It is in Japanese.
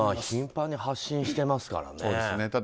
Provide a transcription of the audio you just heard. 頻繁に発信してますからね。